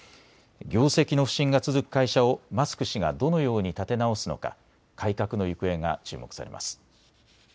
業績の不振が続く会社をマスク氏がどのように立て直すのか改革の行方が注目されます。